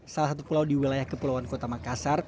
salah satu pulau di wilayah kepulauan kota makassar